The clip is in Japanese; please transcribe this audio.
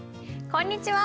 こんにちは。